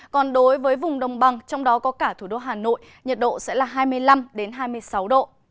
còn đối với vùng đồng bằng trong đó có cả thủ đô hà nội nhiệt độ sẽ là hai mươi năm hai mươi sáu độ